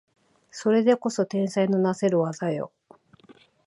それでこそ天才のなせる技よ